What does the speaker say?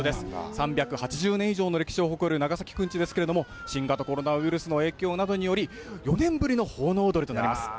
３８０年以上の歴史を誇る、長崎くんちですけれども、新型コロナウイルスの影響により、４年ぶりの奉納踊となります。